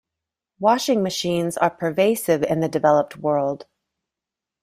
Washing machines are pervasive in the developed world.